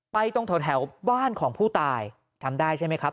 ตรงแถวบ้านของผู้ตายจำได้ใช่ไหมครับ